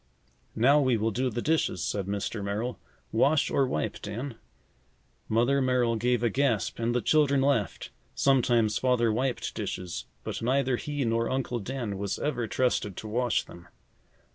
"Now, we will do the dishes," said Mr. Merrill. "Wash or wipe, Dan?" Mother Merrill gave a gasp and the children laughed. Sometimes, Father wiped dishes, but neither he nor Uncle Dan was ever trusted to wash them.